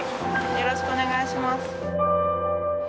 よろしくお願いします。